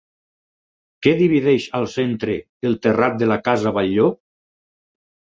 Què divideix al centre el terrat de la casa Batlló?